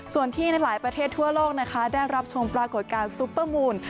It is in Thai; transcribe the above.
ส่วนที่ในหลายประเทศทั่วโลกนะคะได้รับชมปรากฏการณ์ซุปเปอร์มูล